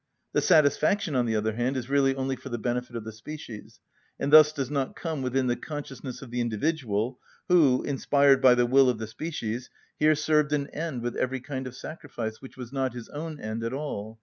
The satisfaction, on the other hand, is really only for the benefit of the species, and thus does not come within the consciousness of the individual, who, inspired by the will of the species, here served an end with every kind of sacrifice, which was not his own end at all.